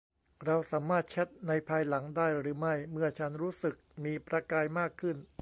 เราสามารถแชทในภายหลังได้หรือไม่เมื่อฉันรู้สึกมีประกายมากขึ้น ?